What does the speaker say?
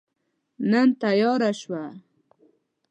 نن تیاره شوه